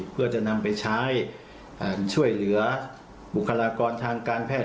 เพื่อจะนำไปใช้ช่วยเหลือบุคลากรทางการแพทย